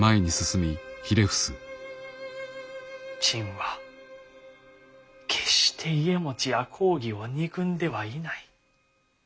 朕は決して家茂や公儀を憎んではいない。